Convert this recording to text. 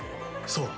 そう。